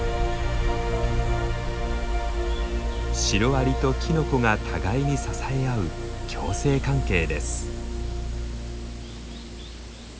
シロアリとキノコが互いに支え合う共生関係です。